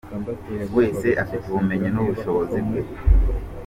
wese afite ubumenyi n’ubushobozi bwe.